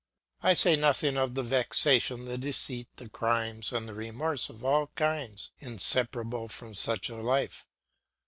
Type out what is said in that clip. I say nothing of the vexation, the deceit, the crimes, and the remorse of all kinds, inseparable from such a life.